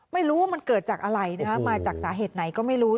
ไม่รู้ว่ามันเกิดจากอะไรนะคะมาจากสาเหตุไหนก็ไม่รู้